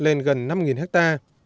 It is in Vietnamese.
lên gần năm hectare